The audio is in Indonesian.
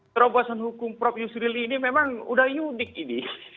terobosan hukum prof yusril ini memang udah unik ini